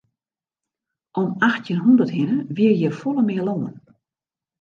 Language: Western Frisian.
Om achttjin hûndert hinne wie hjir folle mear lân.